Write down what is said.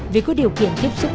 vì có điều kiện tiếp xúc